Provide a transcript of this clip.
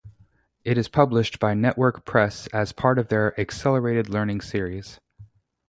It is published by Network Press as part of their Accelerated Learning series.